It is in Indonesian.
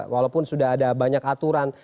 walaupun sudah ada banyak aturan